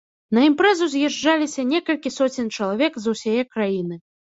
На імпрэзу з'язджаліся некалькі соцень чалавек з усяе краіны.